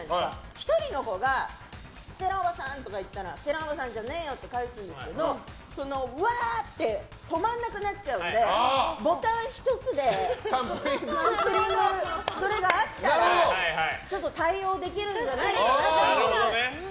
１人の子がステラおばさんとか言ったらステラおばさんじゃねーよ！って返すんですけどわーって止まらなくなっちゃうのでボタン１つでサンプリングそれがあったら対応できるんじゃないかなと。